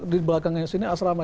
di belakangnya asrama